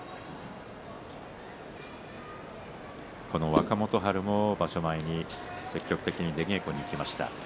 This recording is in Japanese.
若元春も場所前に積極的に出稽古に行きました。